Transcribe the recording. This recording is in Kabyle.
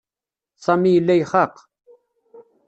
Sami yella ixaq.